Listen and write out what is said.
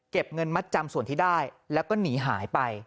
เงินมัดจำส่วนที่ได้แล้วก็หนีหายไป